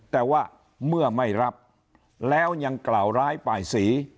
แต่ว่าเมื่อไม่รับแล้วยังกล่าวร้ายปลายสี